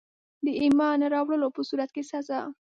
د ایمان نه راوړلو په صورت کي سزا.